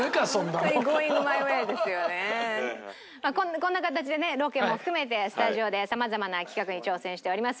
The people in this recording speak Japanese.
こんな形でねロケも含めてスタジオでさまざまな企画に挑戦しております。